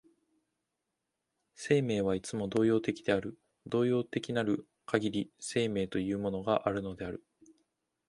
生命はいつも動揺的である、動揺的なるかぎり生命というものがあるのである。